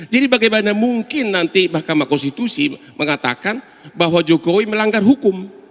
jadi bagaimana mungkin nanti mahkamah konstitusi mengatakan bahwa jokowi melanggar hukum